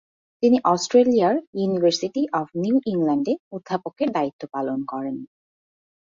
তিনি অস্ট্রেলিয়ার university of New ইংল্যান্ডে অধ্যাপকের দায়িত্ব পালন করেন।